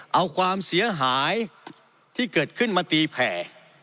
เอาความเสียหายที่เกิดขึ้นมาตีแผ่